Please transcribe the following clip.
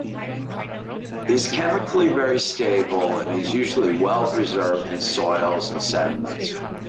It is chemically very stable and is usually well preserved in soils and sediments.